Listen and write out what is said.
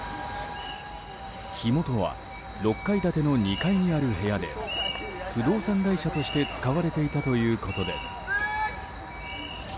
火元は６階建ての２階にある部屋で不動産会社として使われていたということです。